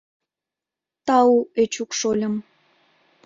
Тау, Эчук шольым.